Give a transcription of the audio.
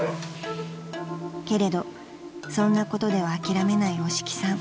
［けれどそんなことでは諦めない押木さん］